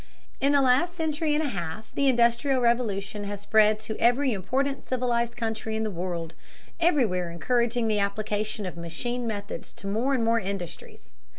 In the last century and a half the Industrial Revolution has spread to every important civilized country in the world, everywhere encouraging the application of machine methods to more and more industries.